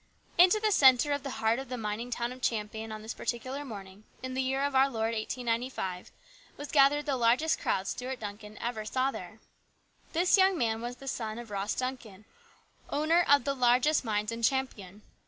Into this centre of the heart of the mining town of Champion on this particular morning, in the year of our Lord 1895, was gathered the largest crowd Stuart Duncan ever saw there. This young man was the son of Ross Duncan, owner of the largest mines in Champion.